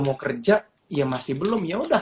mau kerja ya masih belum ya udah